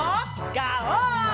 ガオー！